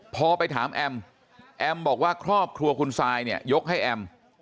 พอไปถามแอมแอมบอกว่าครอบครัวคุณซายเนี่ยยกให้แอม